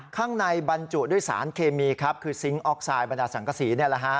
ข้างในบรรจุด้วยสารเคมีครับคือซิงค์ออกไซด์บรรดาสังกษี